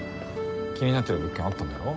気になってる物件あったんだろ？